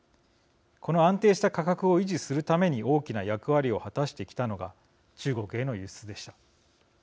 この安定した価格を維持するために大きな役割を果たしてきたのが中国への輸出でした。